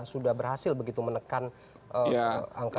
sudah berhasil begitu menekan angka